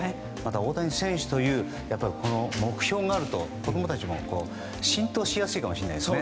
大谷選手という目標があると子供たちにも浸透しやすいかもしれないですね。